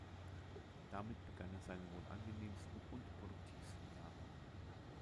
Damit begannen seine wohl angenehmsten und produktivsten Jahre.